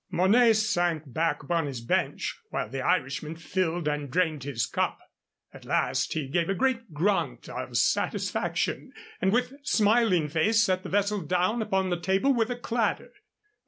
Mornay sank back upon his bench, while the Irishman filled and drained his cup. At last he gave a great grunt of satisfaction, and with smiling face set the vessel down upon the table with a clatter.